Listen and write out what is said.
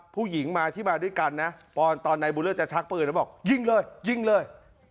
ผู้หญิงมาที่มาด้วยกันนะปอนตอนนายบุญเลิศจะชักปืนแล้วบอกยิงเลยยิงเลย